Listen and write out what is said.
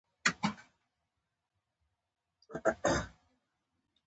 قلم د باچاهانو له تورې څخه تېره دی.